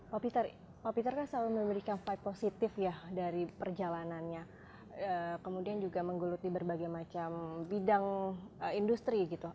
pak peter pak peter kan selalu memiliki fight positif ya dari perjalanannya kemudian juga menggeluti berbagai macam bidang industri gitu